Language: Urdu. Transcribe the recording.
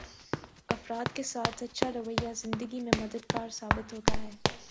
افراد کے ساتھ اچھا رویہ زندگی میں مددگار ثابت ہوتا ہے